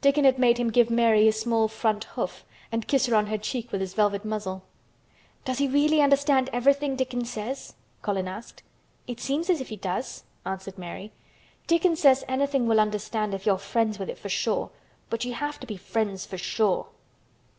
Dickon had made him give Mary his small front hoof and kiss her on her cheek with his velvet muzzle. "Does he really understand everything Dickon says?" Colin asked. "It seems as if he does," answered Mary. "Dickon says anything will understand if you're friends with it for sure, but you have to be friends for sure."